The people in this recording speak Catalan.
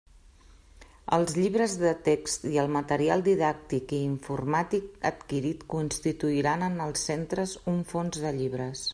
Els llibres de text i el material didàctic i informàtic adquirit constituiran en els centres un fons de llibres.